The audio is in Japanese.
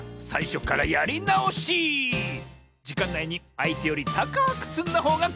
じかんないにあいてよりたかくつんだほうがかちサボよ！